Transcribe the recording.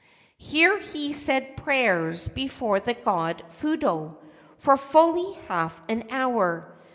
Here he said prayers before the god Fudo for fully half an hour.